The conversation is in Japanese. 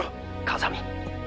風見。